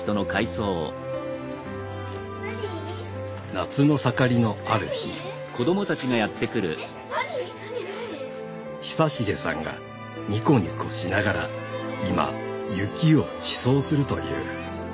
夏の盛りのある日久重さんがニコニコしながら今雪を馳走するという。